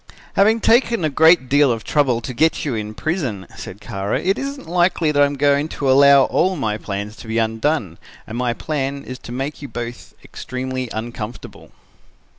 "'Having taken a great deal of trouble to get you in prison,' said Kara, 'it isn't likely that I'm going to allow all my plans to be undone, and my plan is to make you both extremely uncomfortable.'